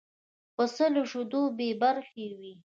پسه له شیدو بې برخې وي.